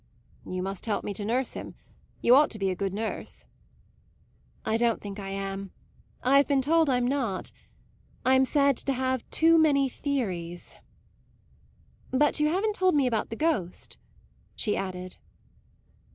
"You must help me to nurse him; you ought to be a good nurse." "I don't think I am; I've been told I'm not; I'm said to have too many theories. But you haven't told me about the ghost," she added.